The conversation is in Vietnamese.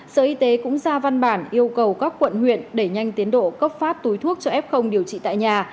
sở y tế cũng ra văn bản yêu cầu các quận huyện đẩy nhanh tiến độ cấp phát túi thuốc cho f điều trị tại nhà